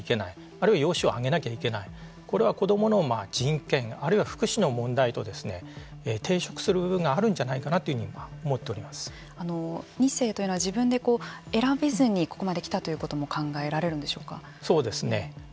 あるいは養子をあげなきゃいけないこれは子どもの人権あるいは福祉の問題と抵触する部分があるんじゃないかなと２世というのは自分で選べずにここまで来たということもそうですね。